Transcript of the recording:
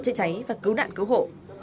chợ cháy và cứu nạn cứu hộ